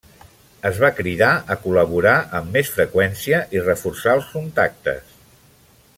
Es va cridar a col·laborar amb més freqüència i reforçar els contactes.